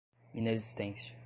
inexistência